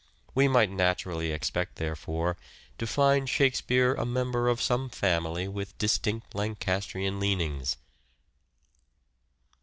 We might naturally expect, therefore, to find Shakespeare a member of some family with distinct Lancastrian leanings.